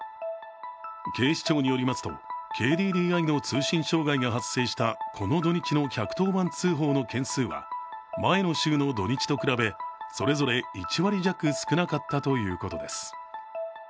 警視庁によりますと、ＫＤＤＩの通信障害が発生したこの土日の１１０番通報の件数は前の週の土日と比べそれぞれ１割弱少なかったということです。